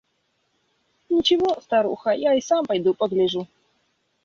– «Ничего, старуха, я и сам пойду погляжу».